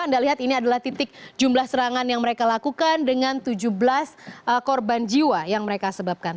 anda lihat ini adalah titik jumlah serangan yang mereka lakukan dengan tujuh belas korban jiwa yang mereka sebabkan